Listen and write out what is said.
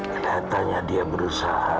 kelatannya dia berusaha